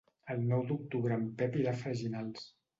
El nou d'octubre en Pep irà a Freginals.